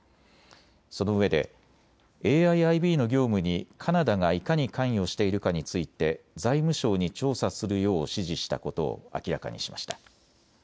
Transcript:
そのうえでＡＩＩＢの業務にカナダがいかに関与しているかについて財務省に調査するよう指示したことを明らかにしました。